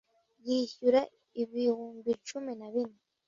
yishyura ibihumbi cumi na bine